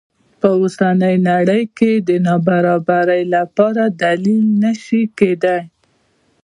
دا په اوسنۍ نړۍ کې د نابرابرۍ لپاره دلیل نه شي کېدای.